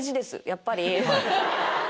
やっぱり。